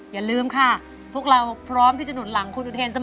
อย่าลืมค่ะพวกเราพร้อมที่จะหนุนหลังคุณอุเทนเสมอ